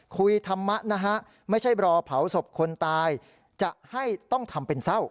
คุยธรรมะนะฮะไม่ใช่รอเผาศพคนตายจะให้ต้องทำเป็นเศร้า